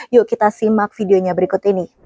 yuk kita simak videonya berikut ini